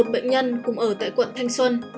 một mươi một bệnh nhân cùng ở tại quận thanh xuân